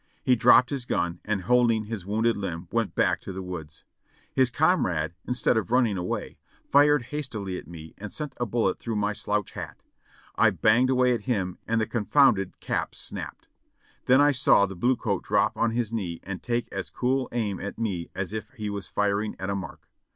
He dropped his gun, and holding his wounded limb went back to the woods. His com rade, instead of running away, fired hastily at me and sent a bul let through my slouch hat. I banged away at him and the con founded cap snapped ; then I saw the blue coat drop on his knee and take as cool aim at me as if he was firing at a mark.